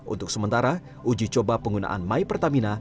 untuk sementara uji coba penggunaan my pertamina